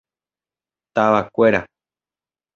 Tavakuéra.